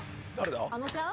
あのちゃん？